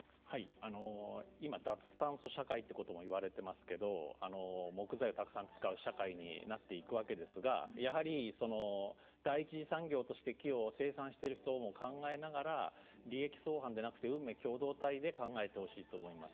今、脱炭素社会ということも言われてますけれども木材をたくさん使う社会になっていくわけですがやはり第一次産業として木を生産している人も考えながら利益相反でなくて運命共同体で考えてほしいと思います。